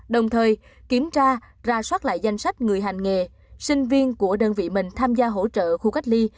đồng thời kiểm tra ra soát lại danh sách người hành nghề sinh viên của đơn vị mình tham gia hỗ trợ khu cách ly